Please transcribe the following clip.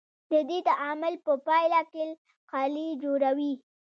د دې تعامل په پایله کې القلي جوړوي.